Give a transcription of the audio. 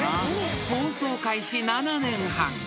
［放送開始７年半］